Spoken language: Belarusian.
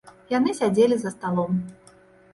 Яны сядзелі за сталом.